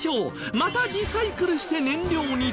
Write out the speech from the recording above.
またリサイクルして燃料にできる。